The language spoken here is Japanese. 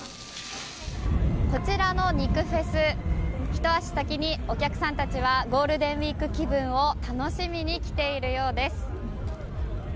こちらの肉フェス一足先に、お客さんたちはゴールデンウィーク気分を楽しみに来ているようです。